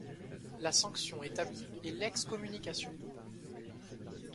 La sanction établie est l'excommunication.